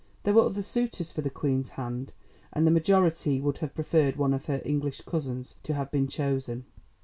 There were other suitors for the Queen's hand, and the majority would have preferred one of her English cousins to have been chosen.